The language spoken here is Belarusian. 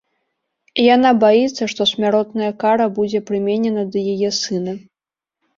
Яна баіцца, што смяротная кара будзе прыменена да яе сына.